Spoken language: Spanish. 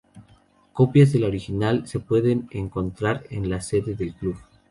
Copias de la original se pueden encontrar en la sede del club.